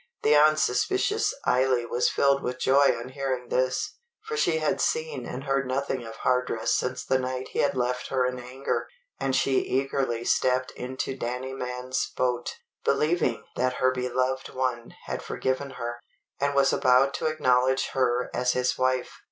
The unsuspicious Eily was filled with joy on hearing this, for she had seen and heard nothing of Hardress since the night he had left her in anger; and she eagerly stepped into Danny Mann's boat, believing that her beloved one had forgiven her, and was about to acknowledge her as his wife.